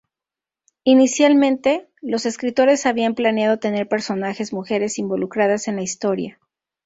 Inicialmente, los escritores habían planeado tener personajes mujeres involucradas en la historia.